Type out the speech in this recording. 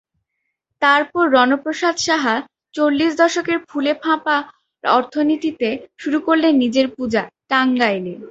তারপর রণদাপ্রসাদ সাহা চল্লিশ দশকের ফুলে-ফাঁপা অর্থনীতিতে শুরু করলেন নিজের পূজা, টাঙ্গাইলে।